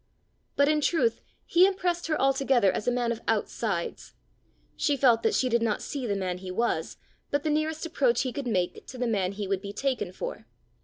But in truth he impressed her altogether as a man of outsides; she felt that she did not see the man he was, but the nearest approach he could make to the man he would be taken for.